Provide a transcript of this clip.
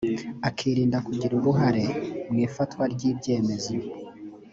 akirinda kugira uruhare mu ifatwa ry’ ibyemezo